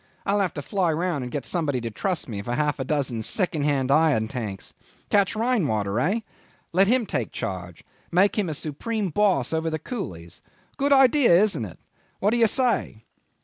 I'll have to fly round and get somebody to trust me for half a dozen second hand iron tanks. Catch rain water, hey? Let him take charge. Make him supreme boss over the coolies. Good idea, isn't it? What do you say?"